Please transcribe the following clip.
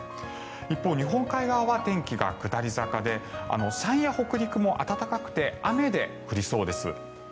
一方、日本海側は天気が下り坂で山陰や北陸も暖かくて雨で降りそうです。